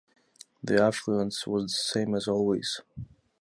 The affluence was the same as always.